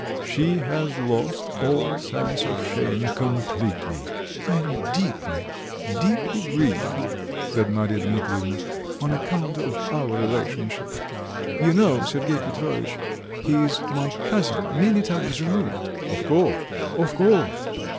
She has lost all sense of shame completely." "I am deeply, deeply grieved." said Marya Dmitrievna. "On account of our relationship. You know, Sergei Petrovitch, he's my cousin many times removed." "Of course, of course.